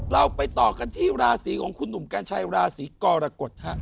เราไปต่อกันที่ราศีของคุณหนุ่มกัญชัยราศีกรกฎฮะ